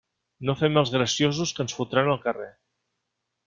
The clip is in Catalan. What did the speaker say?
No fem els graciosos, que ens fotran al carrer.